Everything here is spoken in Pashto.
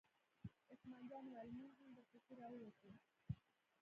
عثمان جان وویل: موږ هم در پسې را ووتو.